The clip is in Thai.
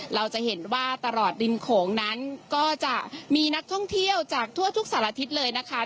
เราจะเห็นว่าตลอดริมโขงนั้นก็จะมีนักท่องเที่ยวจากทั่วทุกสารทิศเลยนะคะ